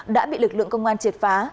đã bị lực lượng công an triệt phá